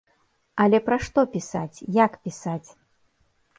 Але пра што пісаць, як пісаць?